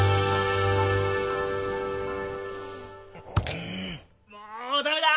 うんもうダメだ！